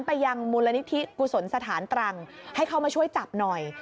ไปยังมูลนิธิกุศลสถานตรังให้เข้ามาช่วยจับหน่อย